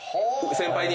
先輩に。